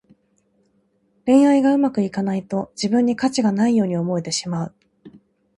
恋愛がうまくいかないと、自分に価値がないように思えてしまう。